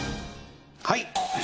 はい。